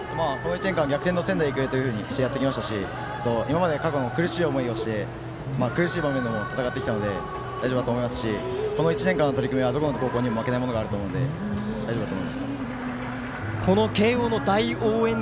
逆転の仙台育英というふうにやってきましたし過去、苦しい思いをして苦しい場面でも戦ってきたので大丈夫だと思いますしこの１年間の取り組みはどこの高校にも負けないものがあると思うので大丈夫だと思います。